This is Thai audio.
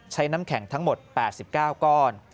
น้ำแข็งทั้งหมด๘๙ก้อน